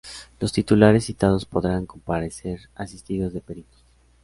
Los titulares citados podrán comparecer asistidos de peritos.